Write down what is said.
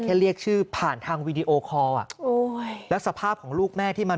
แค่เรียกชื่อผ่านทางวีดีโอคอแล้วสภาพของลูกแม่ที่มา